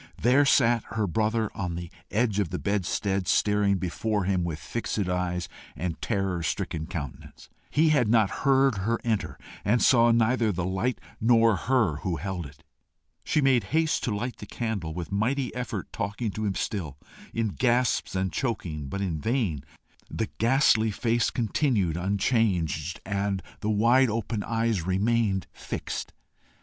There sat her brother on the edge of the bedstead staring before him with fixed eyes and terror stricken countenance. He had not heard her enter, and saw neither the light nor her who held it. She made haste to light the candle, with mighty effort talking to him still, in gasps and chokings, but in vain; the ghastly face continued unchanged, and the wide open eyes remained fixed.